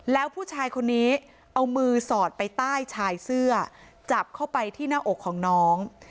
แล้วผู้ชายคนนี้เอามือสอดไปใต้ชายเสื้อจับเข้าไปที่หน้าอกของน้อง